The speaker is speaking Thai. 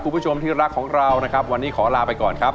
คุณผู้ชมที่รักของเรานะครับวันนี้ขอลาไปก่อนครับ